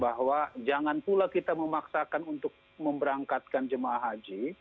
bahwa jangan pula kita memaksakan untuk memberangkatkan jemaah haji